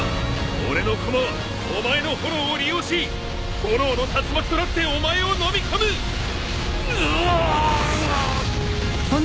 俺のコマはお前の炎を利用し炎の竜巻となってお前をのみ込む！ぬおお！